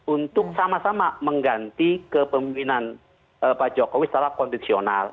untuk sama sama mengganti kepemimpinan pak jokowi secara konstitusional